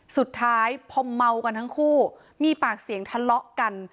สุดท้ายพอเมากันทั้งคู่มีปากเสียงทะเลาะกัน